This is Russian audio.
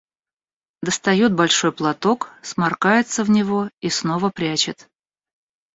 Достает большой платок, сморкается в него и снова прячет.